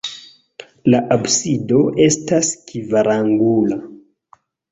La absido estas kvarangula.